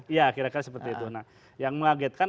ya kira kira seperti itu yang mengagetkan